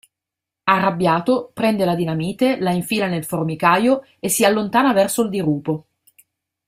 Arrabbiato, prende la dinamite, la infila nel formicaio e si allontana verso il dirupo.